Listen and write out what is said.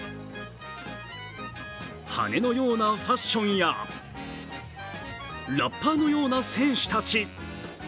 羽根のようなファッションやラッパーのような選手たち。